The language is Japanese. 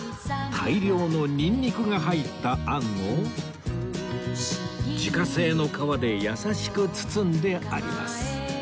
大量のニンニクが入ったあんを自家製の皮で優しく包んであります